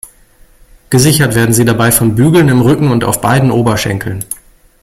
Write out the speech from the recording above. Gesichert werden sie dabei von Bügeln im Rücken und auf beiden Oberschenkeln.